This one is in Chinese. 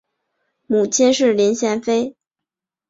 母亲是林贤妃。